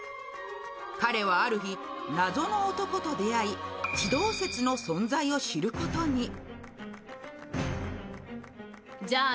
彼はある日、謎の男と出会い、地動説の存在を知ることに。